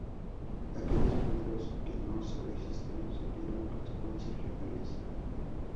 Aquellos mineros que no se registren sufrirán consecuencias legales.